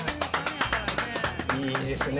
いいですね